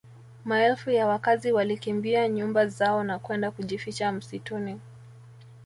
Maelfu ya wakazi walikimbia nyumba zao na kwenda kujificha msituni